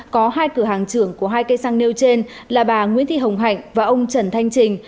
có hai cửa hàng trưởng của hai cây xăng nêu trên là bà nguyễn thị hồng hạnh và ông trần thanh trình